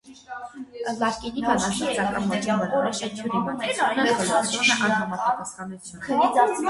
Լարկինի բանաստեղծական ոճին բնորոշ են թյուրիմացությունը, խլությունը, անհամապատասխանությունը։